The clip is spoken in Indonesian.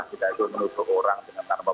kita itu menutup orang dengan karena